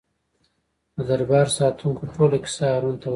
د دربار ساتونکو ټوله کیسه هارون ته وکړه.